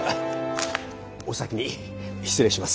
お先に失礼します。